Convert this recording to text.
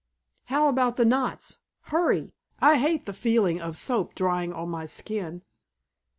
"How about the knots? Hurry! I hate the feeling of soap drying on my skin."